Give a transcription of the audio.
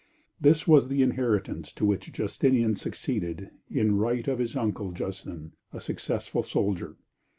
[TN]] This was the inheritance to which Justinian succeeded, in right of his uncle Justin, a successful soldier.